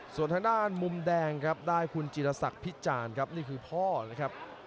ส่วนทางด้านมุมแดงครับได้คุณจิรษักพิจารณ์ครับนี่คือพ่อนะครับ